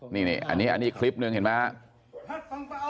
เนี่ยอันนี้คลิปหนึ่งเห็นมั้ยฮะ